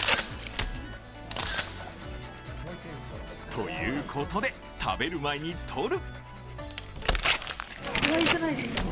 ということで、食べる前に撮る！